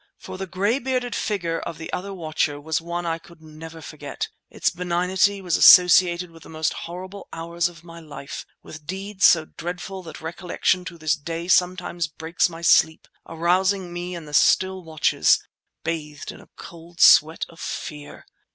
For the gray bearded figure of the other watcher was one I could never forget; its benignity was associated with the most horrible hours of my life, with deeds so dreadful that recollection to this day sometimes breaks my sleep, arousing me in the still watches, bathed in a cold sweat of fear.